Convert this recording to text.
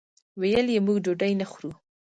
ویل یې موږ ډوډۍ نه خورو.